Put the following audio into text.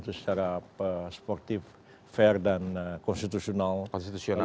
secara sportif fair dan konstitusionalnya